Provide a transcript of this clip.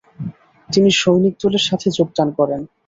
তিনি সৈনিকদলের সাথে যোগদান করেন।